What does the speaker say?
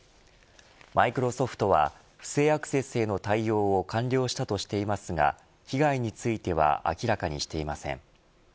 マイクロソフトは不正アクセスへの対応を完了したとしていますが被害については明らかにしていません。